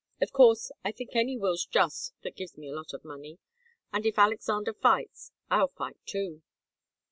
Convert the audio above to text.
Of course I think any will's just that gives me a lot of money. And if Alexander fights, I'll fight, too."